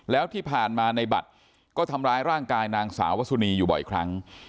แล้วที่ผ่านมาในบัตรก็ทำร้ายร่างกายนางสาววสุนีอยู่บ่อยครั้ง